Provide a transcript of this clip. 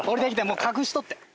もう隠しとって。